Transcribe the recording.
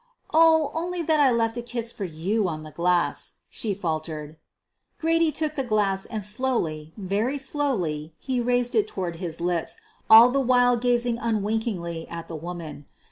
"Oh, only that I left a kiss for you on the glass," she faltered. Grady took the glass and slowly, very slowly, he raised it toward his lips, all the while gazing un winkingly at the woman.